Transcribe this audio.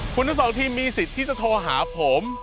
คุณทั้งสองทีมมีสิทธิ์ที่จะโทรหาผม